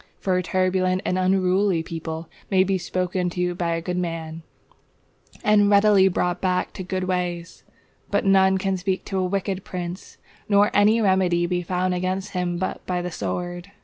For a turbulent and unruly people may be spoken to by a good man, and readily brought back to good ways; but none can speak to a wicked prince, nor any remedy be found against him but by the sword.